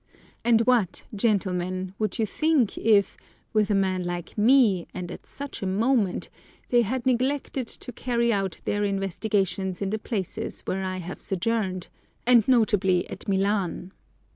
And what, gentlemen, would you think if, with a man like me, and at such a moment, they had neglected to carry out their investigations in the places where I have sojourned, and notably at Milan!